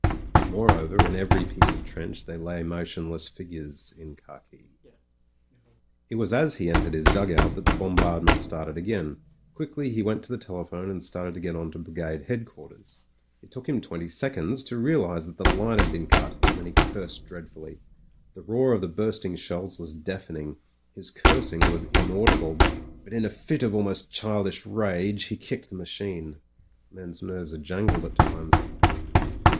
Moreover, in every piece of trench there lay motion less figures in khaki. .•. It was as he entered his dugout that the bombard ment started again. Quickly he went to the telephone, and started to get on to brigade headquarters. It took him twenty seconds to realise that the line had been cut, and then he cursed dreadfully. The roar of the bursting shells was deafening ; his cursing was inaudi ble ; but in a fit of almost childish rage — ^he kicked the machine. Men's nerves are jangled at times.